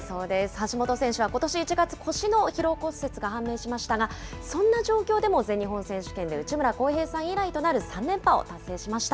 橋本選手はことし１月、腰の疲労骨折が判明しましたが、そんな状況でも全日本選手権で内村航平さん以来となる３連覇を達成しました。